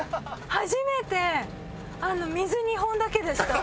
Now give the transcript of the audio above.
初めて水２本だけでした。